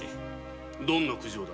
どんな苦情だ？